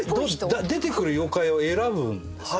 出てくる妖怪を選ぶんですよ。